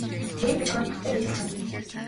Тэрийг би чамд баттай хэлж чадна.